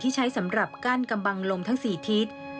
ใช้สำหรับกั้นกำบังลมทั้ง๔ทิศ